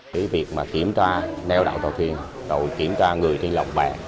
với việc kiểm tra nêu đạo tàu thiên kiểm tra người trên lồng bè